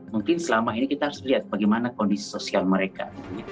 mungkin selama ini kita harus lihat bagaimana kondisi sosial mereka